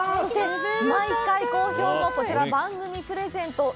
毎回好評の番組プレゼント。